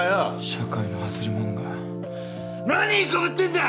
社会の外れもんが何いい子ぶってんだ！